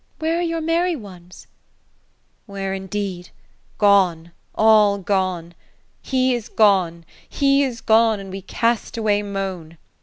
^' Where are your merry ones ?"" Where indeed ? Gone ! All gone I * He is gone, ho is gone, and we cast away moan.'